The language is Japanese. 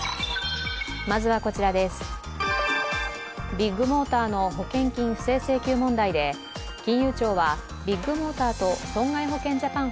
ビッグモーターの保険金不正請求問題で金融庁はビッグモーターと損害保険ジャパン